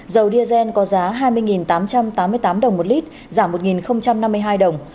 dầu diesel có giá hai mươi tám trăm tám mươi tám đồng một lít giảm một năm mươi hai đồng